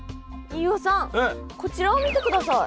飯尾さんこちらを見てください。